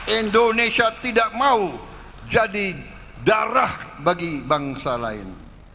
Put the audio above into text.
indonesia tidak mau jadi darah bagi bangsa lain